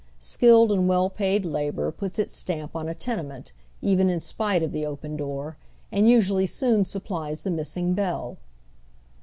Skilled and well paid labor puts its stamp on a tenement even in spite of the open door, and usually soon supplies the miBsing bell.